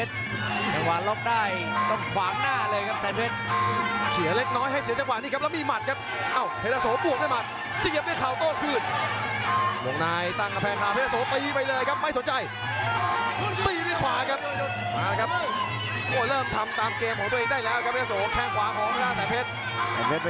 รูปเก่งเลยครับลอกลากครับ